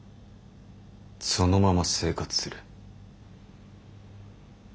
そのまま生活する。